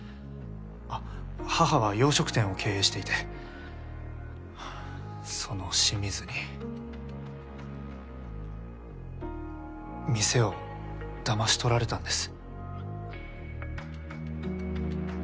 あ母は洋食店を経営していてその清水に店を騙し取られたんです。